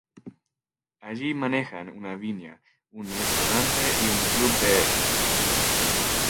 Allí manejan una viña, un restaurante y un club de equitación.